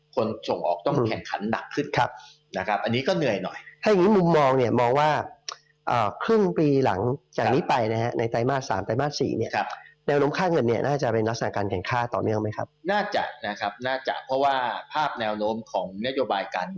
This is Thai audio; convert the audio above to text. คนส่งออกต้องแข่งขันดับ